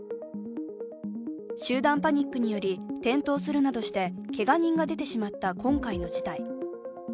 集団パニックにより転倒するなどしてけが人が出てしまった今回の事態。